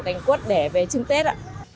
cành quất để về chương tết